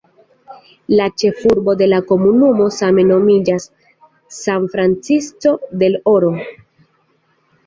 La ĉefurbo de la komunumo same nomiĝas "San Francisco del Oro".